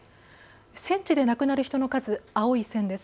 戦地で亡くなる人の数青い線です。